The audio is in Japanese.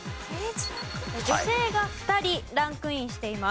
女性が２人ランクインしています。